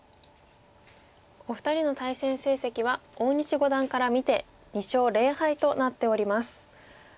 お二人の対戦成績は大西五段から見て２勝０敗となっております。